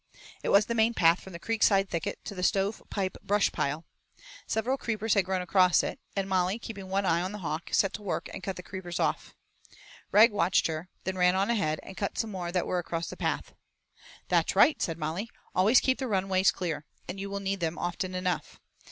It was the main path from the Creekside Thicket to the Stove pipe brushpile. Several creepers had grown across it, and Molly, keeping one eye on the hawk, set to work and cut the creepers off. Rag watched her, then ran on ahead, and cut some more that were across the path. "That's right," said Molly, "always keep the runways clear, you will need them often enough.